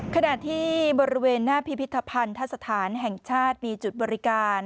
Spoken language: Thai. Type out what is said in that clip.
ขณะที่บริเวณหน้าพิพิธภัณฑสถานแห่งชาติมีจุดบริการ